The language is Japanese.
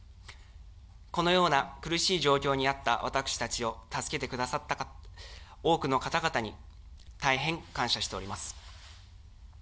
このような苦しい状況にあった私たちを助けてくださった多くの方々に大変感謝しております。